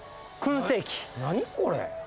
何これ？